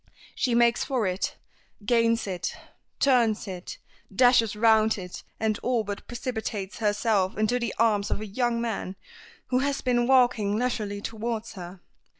She makes for it, gains it, turns it, dashes round it, and all but precipitates herself into the arms of a young man who has been walking leisurely towards her.